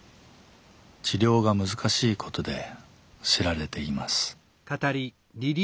治療が難しいことで知られています。